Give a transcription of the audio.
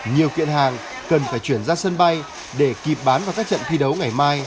nhiều kiện hàng cần phải chuyển ra sân bay để kịp bán vào các trận thi đấu ngày mai